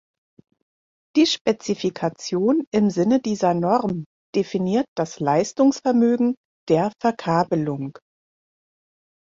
Die Spezifikation im Sinne dieser Norm definiert das Leistungsvermögen der Verkabelung.